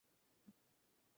জাকারিয়া বললেন, ধন্যবাদ।